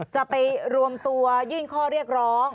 จะไปรวมตัวยื่นข้อเรียกร้อง